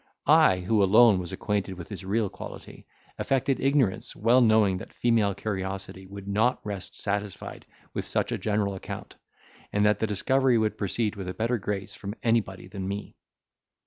I, who alone was acquainted with his real quality, affected ignorance well knowing that female curiosity would not rest satisfied with such a general account, and that the discovery would proceed with a better grace from anybody than me.